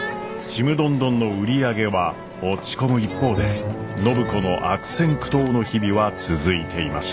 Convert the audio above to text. ちむどんどんの売り上げは落ち込む一方で暢子の悪戦苦闘の日々は続いていました。